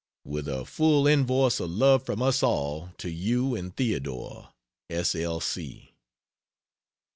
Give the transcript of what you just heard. With a full invoice of love from us all to you and Theodore. S. L.